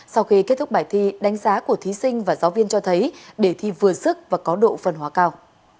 sau khi kết thúc bài thi đánh giá của thí sinh và giáo viên cho thấy để thi vừa sức và có độ phân hóa cao